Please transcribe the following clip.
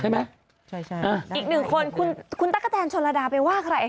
ใช่อีกหนึ่งคนคุณตะกะแทนชนลดาไปว่าอะไร